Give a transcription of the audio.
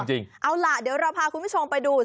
เอาล่ะเดี๋ยวเราพาคุณผู้ชมไปดู